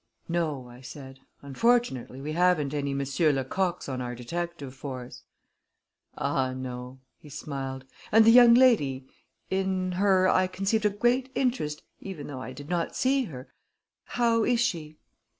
"No," I said. "Unfortunately, we haven't any Monsieur Lecoqs on our detective force." "Ah, no," he smiled. "And the young lady in her I conceived a great interest, even though I did not see her how is she?"